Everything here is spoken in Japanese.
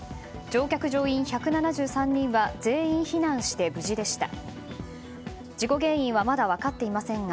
乗客・乗員１７３人は全員避難して無事でした。